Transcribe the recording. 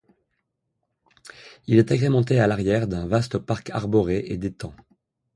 Il est agrémenté à l’arrière d’un vaste parc arboré et d’étangs.